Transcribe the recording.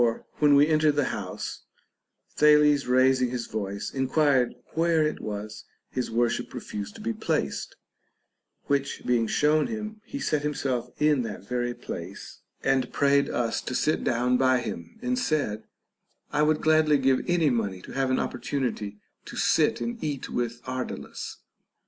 When we entered into the house, Thales raising his voice enquired where it was his worship refused to be placed ; which being shown him, he sat himself in that very place, and prayed us to sit down by him, and said, I would gladly give any money to have an opportunity to sit and eat with Ar . dalus.